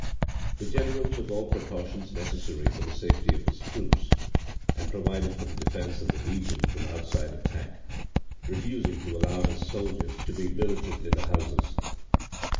The general took all precautions necessary for the safety of his troops, and provided for the defence of the region from outside attack, refusing to allow his soldiers to be billeted in the houses.